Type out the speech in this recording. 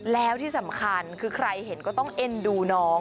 แล้วที่สำคัญคือใครเห็นก็ต้องเอ็นดูน้อง